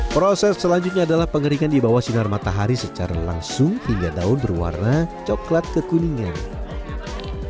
proses selanjutnya adalah pengeringan di bawah sinar matahari secara langsung hingga daun berwarna coklat kekuningan